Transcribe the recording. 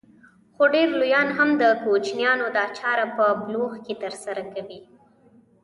خو ډېر لويان هم د کوچنيانو دا چاره په بلوغ کې ترسره کوي.